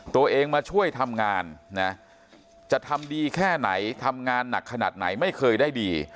ตัวเองมาช่วยทำงานนะจะทำดีแค่ไหนทำงานหนักขนาดไหนไม่เคยได้ดี